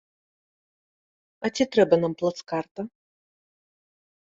А ці трэба нам плацкарта?